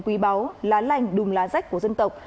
quý báu lá lành đùm lá rách của dân tộc